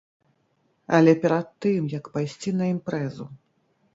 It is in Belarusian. Але перад тым, як пайсці на імпрэзу.